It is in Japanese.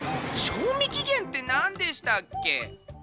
賞味期限ってなんでしたっけ？